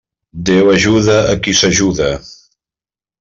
Déu ajuda a qui s'ajuda.